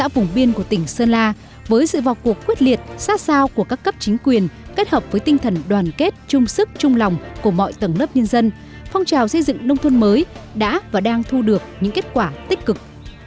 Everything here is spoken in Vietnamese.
với sự vọc cuộc quyết liệt xa xao của các cấp chính quyền kết hợp với tinh thần đoàn kết trung sức trung lòng của mọi tầng lớp nhân dân phong trào xây dựng nông thôn mới đã và đang thu được những kết quả tích cực